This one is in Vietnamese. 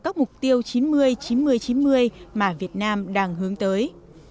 các mục tiêu chín mươi chín mươi chín mươi mà việt nam đang hướng tới